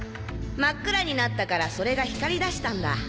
真っ暗になったからそれが光り出したんだ。